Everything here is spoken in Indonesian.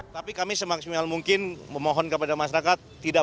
tapi kami semaksimal mungkin memohon kepada masyarakat tidak mengalihkan